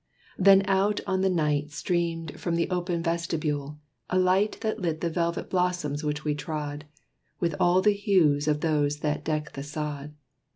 Then out on the night Streamed from this open vestibule, a light That lit the velvet blossoms which we trod, With all the hues of those that deck the sod.